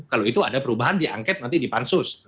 kalau itu ada perubahan diangket nanti di pansus